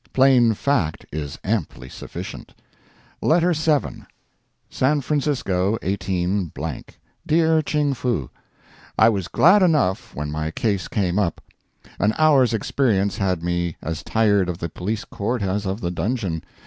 Plain fact is amply sufficient. LETTER VII. SAN FRANCISCO, 18—. DEAR CHING FOO: I was glad enough when my case came up. An hour's experience had made me as tired of the police court as of the dungeon.